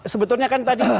sebetulnya kan tadi